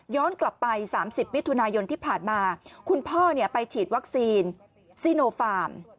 ย้อนกลับไป๓๐วิทยุทธิ์ทุนายนที่ผ่านมาคุณพ่อไปฉีดวัคซีนซิโนฟาร์ม